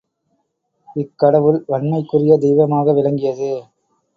இக்கடவுள் வன்மைக் குரிய தெய்வமாக விளங்கியது.